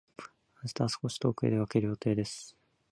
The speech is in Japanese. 明日は少し遠くへ出かける予定です。